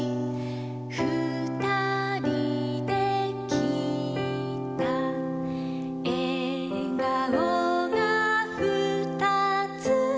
「ふたりできいた」「えがおがふたつ」